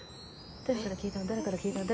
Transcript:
誰から聞いたの？